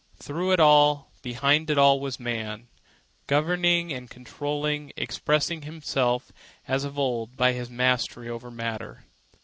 Through it all, behind it all, was man, governing and controlling, expressing himself, as of old, by his mastery over matter.